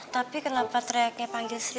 tapi kenapa teriaknya panggil